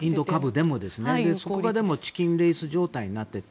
でも、そこがチキンレース状態になっていて。